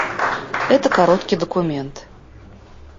Это короткий документ.